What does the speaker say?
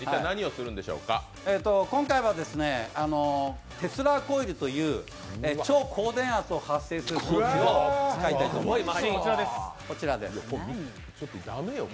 今回は、テスラコイルという超高電圧を発生する装置を使いたいと思います。